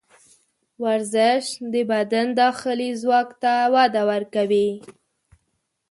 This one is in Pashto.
ورزش د بدن داخلي ځواک ته وده ورکوي.